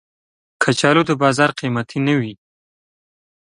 کچالو د بازار قېمتي نه وي